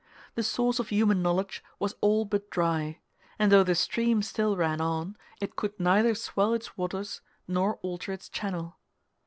The source of human knowledge was all but dry; and though the stream still ran on, it could neither swell its waters nor alter its channel.